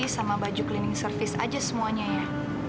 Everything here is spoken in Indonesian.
sama baju cleaning service aja semuanya ya